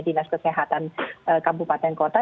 dinas kesehatan kabupaten kota